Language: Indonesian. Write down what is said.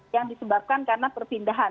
yang disebabkan karena perpindahan